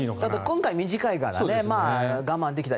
今回短いから我慢できた。